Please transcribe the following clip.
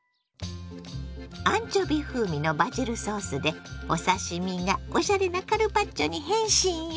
アンチョビ風味のバジルソースでお刺身がおしゃれなカルパッチョに変身よ！